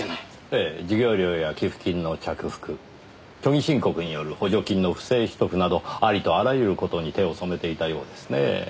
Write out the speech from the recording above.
ええ授業料や寄付金の着服虚偽申告による補助金の不正取得などありとあらゆる事に手を染めていたようですねぇ。